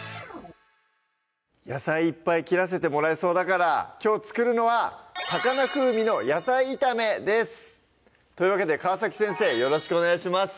野菜いっぱい切らせてもらえそうだからきょう作るのは「高菜風味の野菜炒め」ですというわけで川先生よろしくお願いします